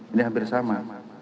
ini hampir sama